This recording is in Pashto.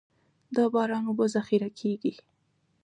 د باران اوبه ذخیره کیږي